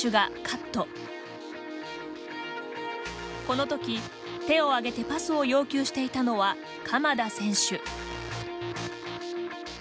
この時手を挙げてパスを要求していたのは鎌田選手。